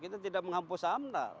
kita tidak menghampus amdal